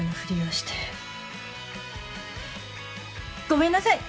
ごめんなさい。